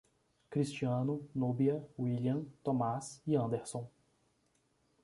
Cristiano, Núbia, William, Tomás e Anderson